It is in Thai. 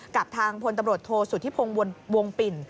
กับทางพลตำรวจโทษสุธิพงศ์วงปิ่น